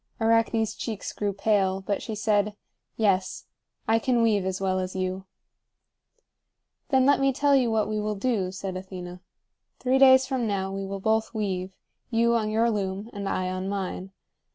Arachne's cheeks grew pale, but she said: "Yes. I can weave as well as you." "Then let me tell you what we will do," said Athena. "Three days from now we will both weave; you on your loom, and I on mine.